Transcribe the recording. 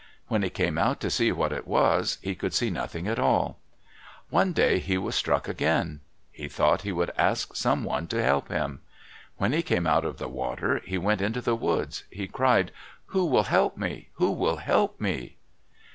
When he came out to see what it was, he could see nothing at all. One day he was struck again. He thought he would ask someone to help him. When he came out of the water, he went into the woods. He cried, "Who will help me? Who will help me?"